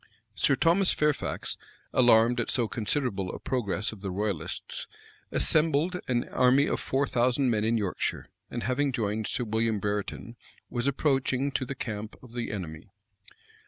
Sir Thomas Fairfax, alarmed at so considerable a progress of the royalists, assembled an army of four thousand men in Yorkshire, and having joined Sir William Brereton, was approaching to the camp of the enemy.